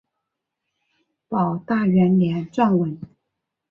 保大元年撰文。